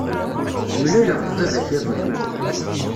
Mlaleɣ-d baba-k iḍelli.